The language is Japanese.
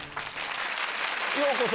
ようこそ。